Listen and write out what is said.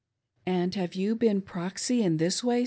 "And have you been proxy in this way.